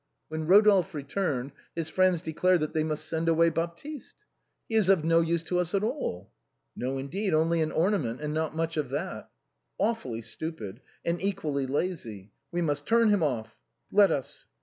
When Rodolphe returned, his friend declared that they must send away Baptiste. " He is of no use to us at all." " No, indeed — only an ornament, and not much of that." "Awfully stupid." " And equally lazy." " We must turn him off." "Let us!"